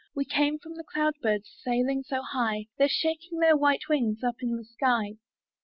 ''We came from the cloud birds Sailing so high; They're shaking their white wings Up in the sky."